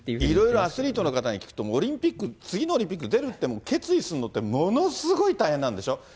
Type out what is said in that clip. いろいろアスリートの方に聞くと、オリンピック、次のオリンピック出るって、決意するのって、ものすごい大変なんでしょ。